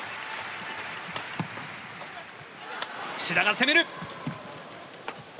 志田が攻める！